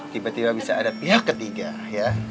tiba tiba bisa ada pihak ketiga ya